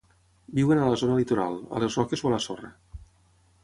Viuen a la zona litoral, a les roques o a la sorra.